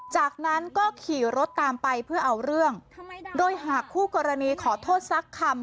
จากนั้นก็ขี่รถตามไปเพื่อเอาเรื่องโดยหากคู่กรณีขอโทษสักคำ